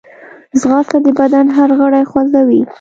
ځغاسته د بدن هر غړی خوځوي